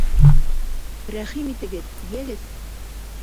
— Рәхим итегеҙ, йәгеҙ